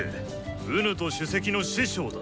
己と首席の師匠だ。